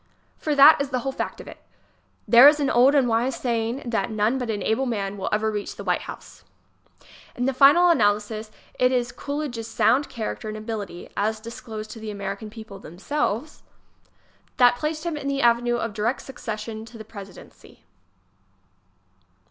For that is the whole fact of it. There is an old and wise saying that none but an able man will ever reach the White House. In the final analysis it is Coolidge's sound character and ability, as disclosed to the American people them [* 3 1 HAVE FAITH IX C O O L I D G E '::' :S* selves, that placed him in the avenue of direct suc cession to the presidency.